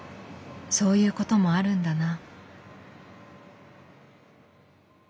そういうこともあるんだな。